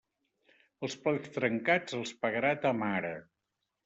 Els plats trencats els pagarà ta mare.